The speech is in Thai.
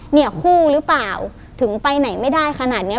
เนี่ยคู่หรือเปล่าถึงไปไหนไม่ได้ขนาดเนี้ย